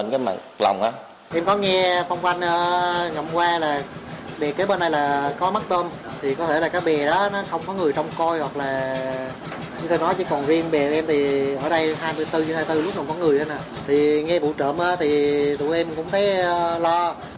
thì nghe bộ trộm thì tụi em cũng thấy lo